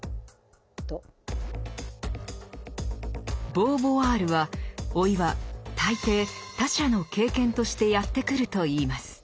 ボーヴォワールは老いは大抵「他者の経験」としてやって来るといいます。